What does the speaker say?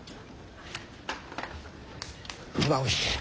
馬を引け。